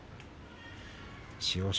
千代翔